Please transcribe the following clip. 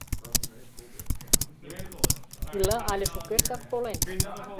Ила але шукертак колен?»